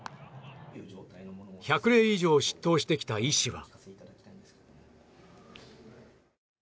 １００例以上執刀してきた医師は。